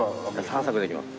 散策できます。